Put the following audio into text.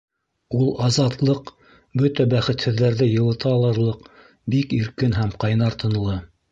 Ул азатлыҡ бөтә бәхетһеҙҙәрҙе йылыта алырлыҡ бик иркен һәм ҡайнар тынлы.